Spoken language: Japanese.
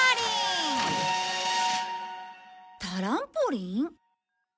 タランポリン？